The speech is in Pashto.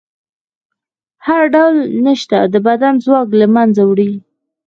هر ډول نشه د بدن ځواک له منځه وړي.